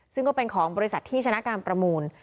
ซึ่งก็เป็นของบริษัทที่ชนะการประมูล